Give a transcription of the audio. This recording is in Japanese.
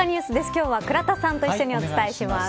今日は倉田さんと一緒にお伝えします。